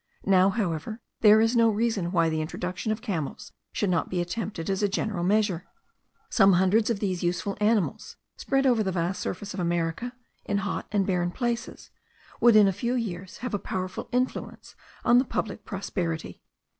Now, however, there is no reason why the introduction of camels should not be attempted as a general measure. Some hundreds of these useful animals, spread over the vast surface of America, in hot and barren places, would in a few years have a powerful influence on the public prosperity.